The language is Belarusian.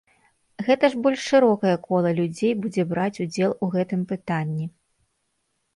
Гэта ж больш шырокае кола людзей будзе браць удзел у гэтым пытанні.